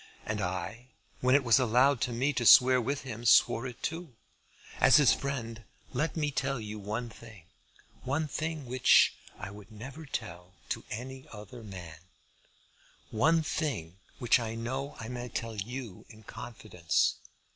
And I, when it was allowed to me to swear with him, swore it too. As his friend, let me tell you one thing, one thing which I would never tell to any other man, one thing which I know I may tell you in confidence.